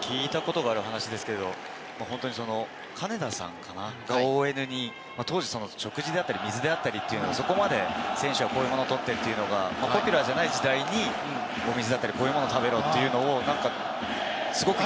聞いたことがある話ですけれども、金田さんかな、ＯＮに食事であったり水だったり、当時、選手はこういうものをとってるというのがポピュラーじゃない時代にお水だったり、こういうものを食べろと。